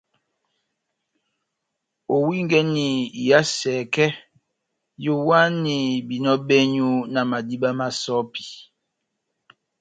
Owingɛni iha sɛkɛ, yowahani behinɔ bɛ́nywu na madiba na sɔ́pi.